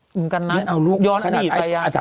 เหมือนกันนะ